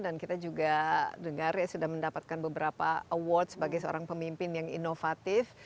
dan kita juga dengar ya sudah mendapatkan beberapa award sebagai seorang pemimpin yang inovatif